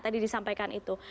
tadi disampaikan itu